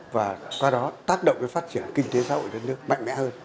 và qua đó tác động đến phát triển kinh tế xã hội đất nước mạnh mẽ hơn